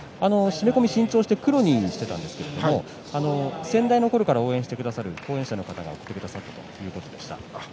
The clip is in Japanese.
締め込み、新調して黒にしていたんですが先代のころから応援してくださる後援者の方からいただいたということです。